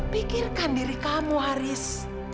pikirkan diri kamu haris